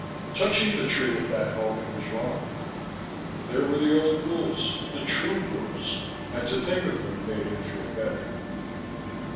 Touching the tree, at that moment, was wrong. There were the old rules, the true rules, and to think of them made him feel better.